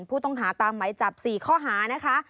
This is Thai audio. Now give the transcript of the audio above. ผู้ต้องหาตามไหมจับ๔ข้อหานะคะ